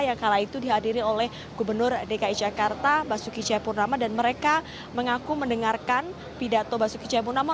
yang kala itu dihadiri oleh gubernur dki jakarta basuki cahayapurnama dan mereka mengaku mendengarkan pidato basuki cahayapurnama